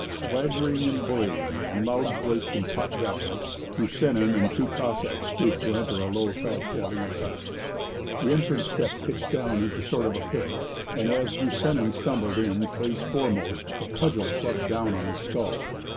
Swaggering and bullying and loud voiced and pot valiant, Drusenin and two Cossacks stooped to enter a low thatched Aleut hut. The entrance step pitched down into a sort of pit; and as Drusenin stumbled in face foremost a cudgel clubbed down on his skull.